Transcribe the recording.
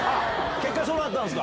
結果、そうだったんですか。